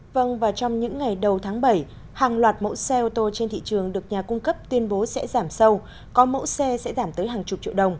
vâng và trong những ngày đầu tháng bảy hàng loạt mẫu xe ô tô trên thị trường được nhà cung cấp tuyên bố sẽ giảm sâu có mẫu xe sẽ giảm tới hàng chục triệu đồng